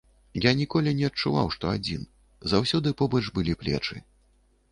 Я ніколі не адчуваў, што адзін, заўсёды побач былі плечы.